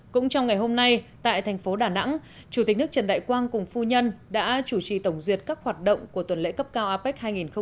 cũng trong ngày hôm nay tại thành phố đà nẵng chủ tịch nước trần đại quang cùng phu nhân đã chủ trì tổng duyệt các hoạt động của tuần lễ cấp cao apec hai nghìn hai mươi